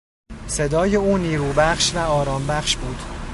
صدای او نیروبخش و آرامبخش بود.